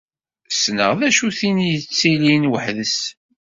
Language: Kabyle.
Ssneɣ d acu tin yettilin weḥd-s.